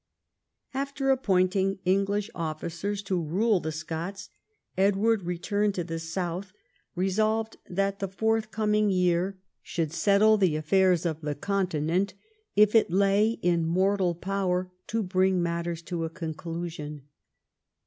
After appointing I'jUglish ofiicers to I'ule the Scots, Edward returned to the south, resolved that the forthcoming year should XI THE YEARS OF CRISIS 191 settle the affairs of the Continent, if it lay in mortal power to bring matters to a conclusion.